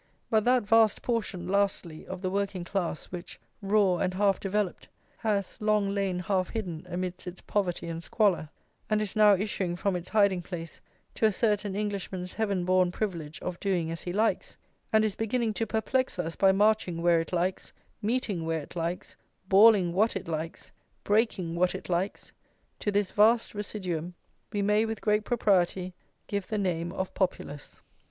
But that vast portion, lastly, of the working class which, raw and half developed, has long lain half hidden amidst its poverty and squalor, and is now issuing from its hiding place to assert an Englishman's heaven born privilege of doing as he likes, and is beginning to perplex us by marching where it likes, meeting where it likes, bawling what it likes, breaking what it likes, to this vast residuum we may with great propriety give the name of Populace.